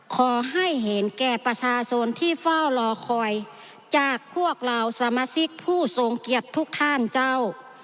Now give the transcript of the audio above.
ขอให้เห็นแก่ประชาชนที่เฝ้ารอคอยจากพวกเราสมาชิกผู้ทรงเกียรติทุกท่านเจ้า